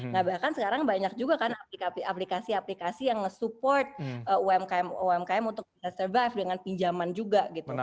nah bahkan sekarang banyak juga kan aplikasi aplikasi yang nge support umkm untuk bisa survive dengan pinjaman juga gitu